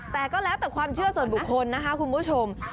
แต่ก็แล้วแต่ความเชื่อส่วนบุคคลนะคะคุณผู้ชม